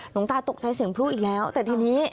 หลวงตาตกใจเสียงพลุอีกแล้วแต่ทีนี้